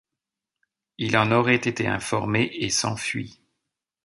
Il en aurait été informé et s'enfuit.